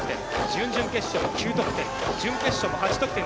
準々決勝、９得点。